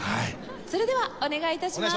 それではお願い致します。